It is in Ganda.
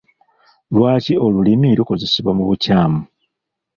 Lwaki olulimi lukozesebwa mu bukyamu?